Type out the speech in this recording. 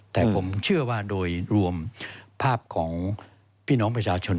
แต่ผมเชื่อว่าโดยรวมภาพของพี่น้องประชาชน